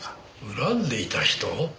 恨んでいた人？